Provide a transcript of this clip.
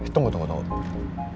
tunggu tunggu tunggu